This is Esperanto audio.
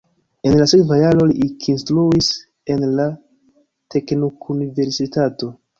En la sekva jaro li ekinstruis en la Teknikuniversitato.